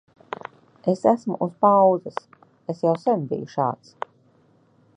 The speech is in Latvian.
Es esmu uz pauzes. Es jau sen biju šāds.